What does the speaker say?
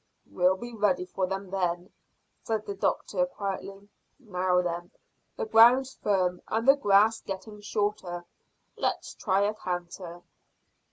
"We'll be ready for them then," said the doctor quietly. "Now then, the ground's firm, and the grass getting shorter; let's try a canter."